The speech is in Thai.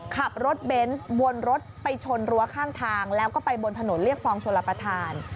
ขับรถเบนส์วนรถไปชนรั้วข้างทางแล้วก็ไปบนถนนเรียบคลองชลประธาน